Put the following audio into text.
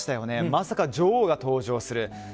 まさか女王が登場する。